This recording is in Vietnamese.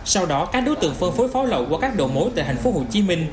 sau đó các đối tượng phân phối pháo lậu qua các đồ mối tại tp hcm